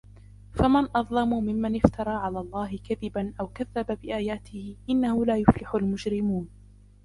فمن أظلم ممن افترى على الله كذبا أو كذب بآياته إنه لا يفلح المجرمون